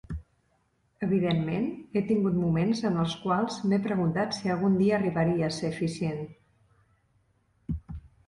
Evidentment he tingut moments en els quals m'he preguntat si algun dia arribaria a ser eficient.